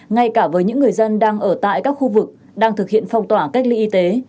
ngay cả với những người dân đang ở tại các khu vực đang thực hiện phong tỏa cách ly y tế